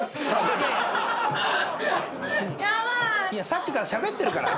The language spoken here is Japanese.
さっきからしゃべってるから。